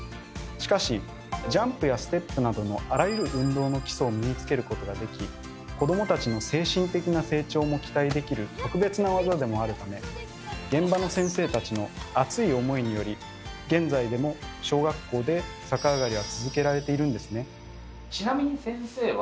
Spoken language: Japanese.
しかしジャンプやステップなどのあらゆる運動の基礎を身につけることができ子どもたちの精神的な成長も期待できる特別な技でもあるため現場の先生たちの熱い思いにより現在でも小学校で逆上がりは続けられているんですね。